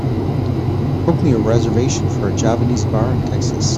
Book me a reservation for a javanese bar in Texas